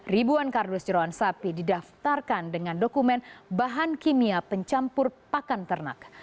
ribuan kardus jerawan sapi didaftarkan dengan dokumen bahan kimia pencampur pakan ternak